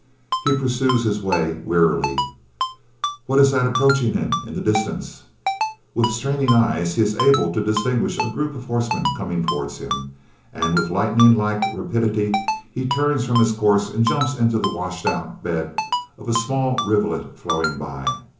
He pursues his way wearily. What is that approaching him in the distance? With straining eyes he is able to distinguish a group of horsemen coming towards him, and with lightning like rapidity he turns from his course and jumps into the washed out bed of a small rivulet flowing by.